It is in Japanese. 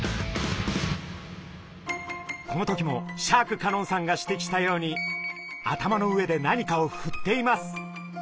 この時もシャーク香音さんが指摘したように頭の上で何かをふっています。